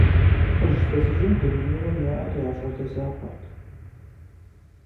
ЛӀыжь-фызыжьым дунейуэ яӀэр я щӀалэ закъуэрт.